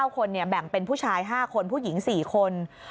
๙คนแบ่งเป็นผู้ชาย๕คนผู้หญิง๔คน